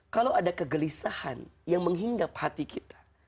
kalau ada kegelisahan yang menghinggap hati kita